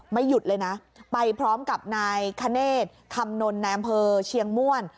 ไม่หยุดเลยน่ะไปพร้อมกับนายคเนศคำนนต์แนมเภอเชียงม่วน